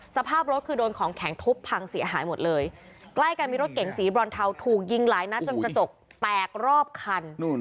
สภาพรถคือโดนของแข็งทุบพังเสียหายหมดเลยใกล้กันมีรถเก๋งสีบรอนเทาถูกยิงหลายนัดจนกระจกแตกรอบคัน